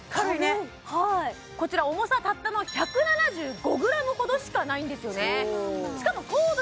こちら重さたったの１７５ｇほどしかないんですよね